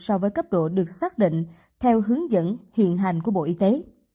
so với cấp độ được xác định theo hướng dẫn hiện hành của bộ y tế